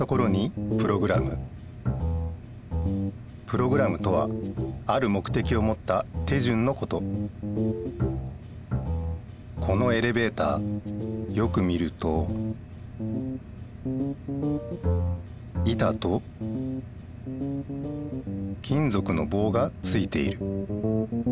プログラムとはある目てきをもった手順のことこのエレベーターよく見ると板と金ぞくのぼうがついている。